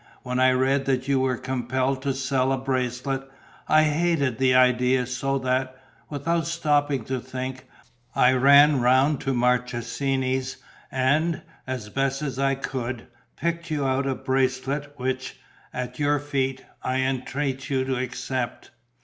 When I read that you were compelled to sell a bracelet, I hated the idea so that, without stopping to think, I ran round to Marchesini's and, as best I could, picked you out a bracelet which, at your feet, I entreat you to accept.